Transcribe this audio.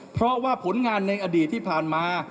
เพราะว่าผลงานในอดีตที่ผ่านมา